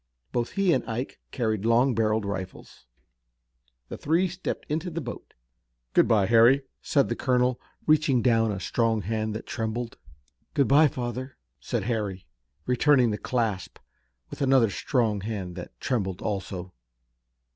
Both he and Ike carried long barreled rifles. The three stepped into the boat. "Good bye, Harry," said the colonel, reaching down a strong hand that trembled. "Good bye, father," said Harry, returning the clasp with another strong hand that trembled also.